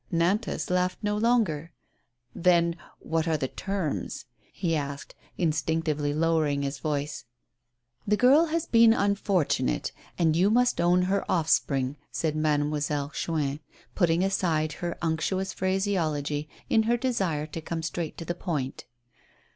Nantas laughed no longer. "Then what are the terms?" he asked, instinctively lowering his voice. "The girl has been unfortunate, and you must own her offspring," said Mademoiselle Chuin, putting aside her unctuous phraseology in her desire to come straight to the point.